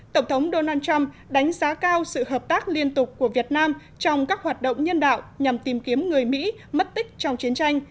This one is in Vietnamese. tổng thống donald trump đánh giá cao sự hợp tác liên tục của việt nam trong các hoạt động nhân đạo nhằm tìm kiếm người mỹ mất tích trong chiến tranh